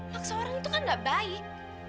maksa orang itu kan gak baik